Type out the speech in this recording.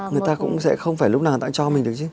người ta cũng sẽ không phải lúc nào người ta cho mình được chứ